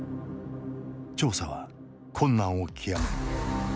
調査は困難を極める。